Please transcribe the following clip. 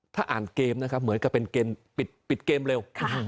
ถ้าอ่านเกมนะครับเหมือนกับเป็นเกมปิดเกมเร็ว